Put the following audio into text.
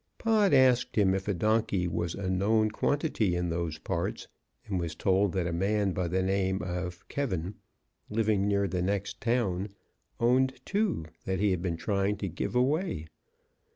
Pod asked him if a donkey was a known quantity in those parts, and was told that a man by the name of K , living near the next town, owned two that he had been trying to give away.